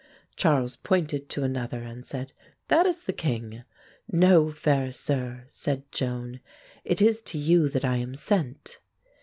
Charles pointed to another and said, "That is the king." "No, fair sir," said Joan, "It is to you that I am sent."